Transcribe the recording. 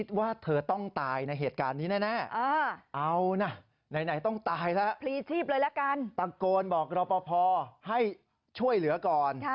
บอกเราพอให้ช่วยเหลือก่อน